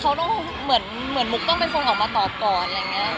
เขาต้องเหมือนมุกต้องเป็นคนออกมาต่อก่อน